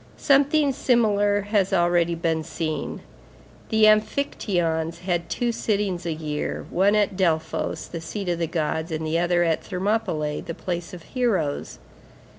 Something similar has already been seen. The amphictyons had two sittings a year, one at Delphos the seat of the gods, the other at Thermopylæ, the place of heroes.